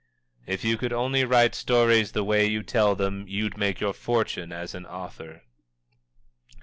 "If you could only write stories the way you tell them, you'd make your fortune as an author."